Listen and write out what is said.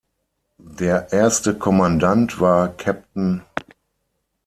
Der erste Kommandant war Capt.